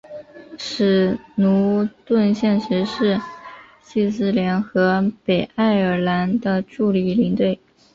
史奴顿现时是列斯联和北爱尔兰的助理领队。